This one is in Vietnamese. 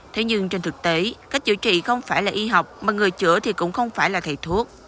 thế nhưng trên thực tế cách chữa trị không phải là y học mà người chữa thì cũng không phải là thầy thuốc